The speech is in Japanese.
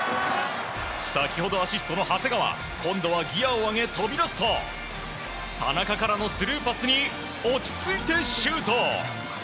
先ほどアシストの長谷川今度はギアを上げ、飛び出すと田中からのスルーパスに落ち着いてシュート！